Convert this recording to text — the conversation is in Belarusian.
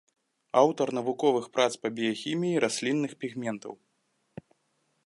Аўтар навуковых прац па біяхіміі раслінных пігментаў.